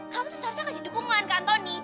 kamu tuh selesai kasih dukungan ke antoni